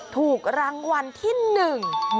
ถูกรางวัลที่หนึ่ง